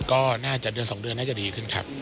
ก็น่าจะเดือน๒เดือนน่าจะดีขึ้นครับ